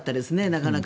なかなか。